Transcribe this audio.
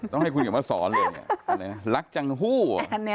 ต้องให้คุณกลับมาสอนเลยรักจังหู้